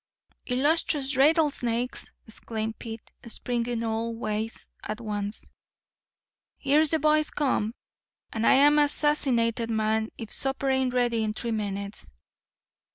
"Illustrious rattlesnakes!" exclaimed Pete, springing all ways at once; "here's the boys come, and I'm an assassinated man if supper ain't ready in three minutes."